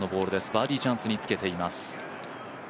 バーディーチャンスにつけています。